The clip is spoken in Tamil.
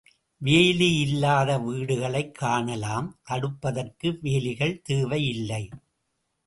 வேலி இல்லாத வீடுகளைக் காணலாம் தடுப்பதற்கு வேலிகள் தேவை இல்லை.